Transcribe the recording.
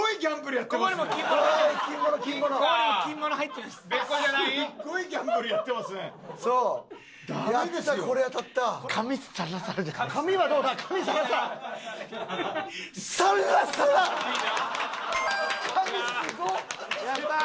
やったー！